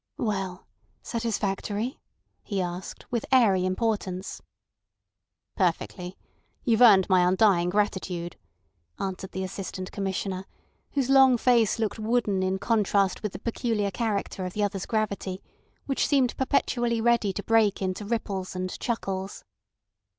"Well? Satisfactory?" he asked, with airy importance. "Perfectly. You've earned my undying gratitude," answered the Assistant Commissioner, whose long face looked wooden in contrast with the peculiar character of the other's gravity, which seemed perpetually ready to break into ripples and chuckles.